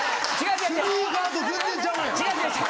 スニーカーと全然ちゃうやん。